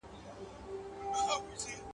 • بې کسه بدي نه سي پاللاى.